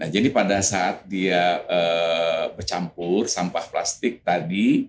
jadi pada saat dia bercampur sampah plastik tadi